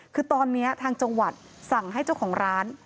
คือตอนนี้ทางจังหวัดสั่งให้เจ้าของร้าน